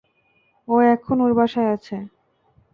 ও এখন ওর বাসায় আছে।